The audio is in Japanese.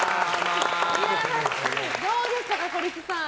どうでしたか、小力さん。